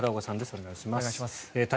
お願いします。